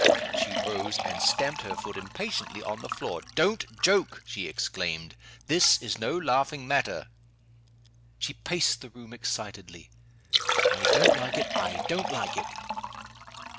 She rose, and stamped her foot impatiently on the floor. "Don't joke!" she exclaimed. "This is no laughing matter." She paced the room excitedly. "I don't like it! I don't like it!"